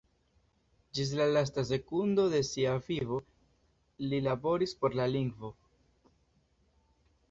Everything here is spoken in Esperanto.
Ĝis la lasta sekundo de sia vivo li laboris por la lingvo.